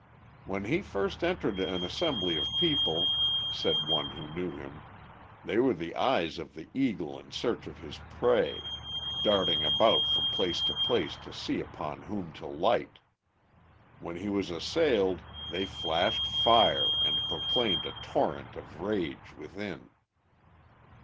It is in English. "When he first entered an assembly of people," said one who knew him, "they were the eyes of the eagle in search of his prey, darting about from place to place to see upon whom to light. When he was assailed they flashed fire and proclaimed a torrent of rage within."